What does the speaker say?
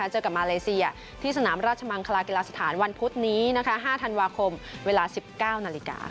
เจอกับมาเลเซียที่สนามราชมังคลากีฬาสถานวันพุธนี้๕ธันวาคมเวลา๑๙นาฬิกา